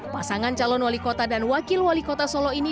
pasangan calon wali kota dan wakil wali kota solo ini